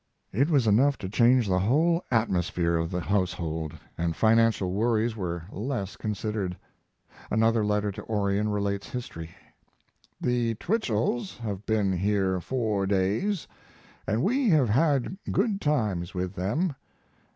It was enough to change the whole atmosphere of the household, and financial worries were less considered. Another letter to Orion relates history: The Twichells have been here four days & we have had good times with them.